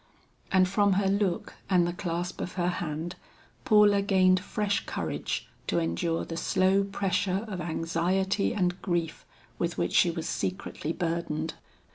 And from her look and the clasp of her hand, Paula gained fresh courage to endure the slow pressure of anxiety and grief with which she was secretly burdened.